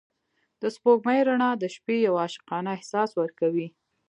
د سپوږمۍ رڼا د شپې یو عاشقانه احساس ورکوي.